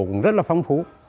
cũng rất là phong phú